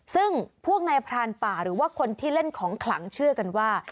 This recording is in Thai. ซึ่งพวกนายพรานป่าหรือว่าคนที่เล่นของขลังเชื่อกันว่า